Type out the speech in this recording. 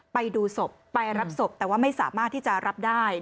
ไปดูศพไปรับศพแต่ว่าไม่สามารถที่จะรับได้